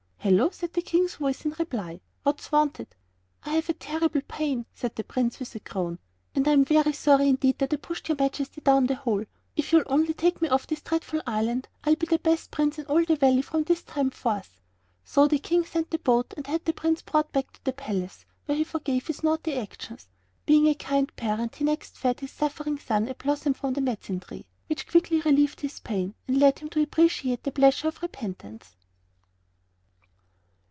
"Hullo!" said the King's voice, in reply; "what's wanted?" "I have a terrible pain," said the Prince, with a groan, "and I'm very sorry indeed that I pushed your Majesty down the hole. If you'll only take me off this dreadful island I'll be the best prince in all the Valley from this time forth!" So the King sent the boat and had the Prince brought back to the palace, where he forgave his naughty actions. Being a kind parent he next fed his suffering son a blossom from a medicine tree, which quickly relieved his pain and led him to appreciate the pleasure of repentance.